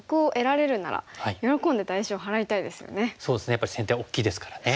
やっぱり先手は大きいですからね。